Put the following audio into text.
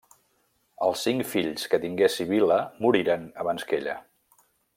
Els cinc fills que tingué Sibil·la moriren abans que ella.